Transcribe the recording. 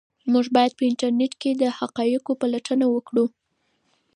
موږ باید په انټرنيټ کې د حقایقو پلټنه وکړو.